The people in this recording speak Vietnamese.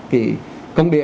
cái công điện